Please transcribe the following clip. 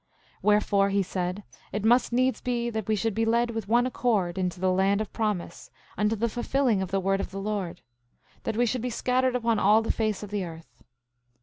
10:13 Wherefore, he said it must needs be that we should be led with one accord into the land of promise, unto the fulfilling of the word of the Lord, that we should be scattered upon all the face of the earth.